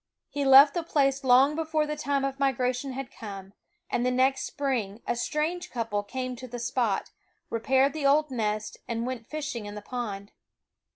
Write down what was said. He left the place long before the time of migra tion had come ; and the next spring a strange couple came to the spot, repaired the old nest, and went fishing in the pond.